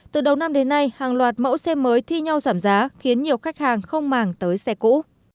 từ đầu năm đến nay hàng loạt mẫu xe mới thi nhau giảm giá khiến nhiều khách hàng không màng tới xe cũ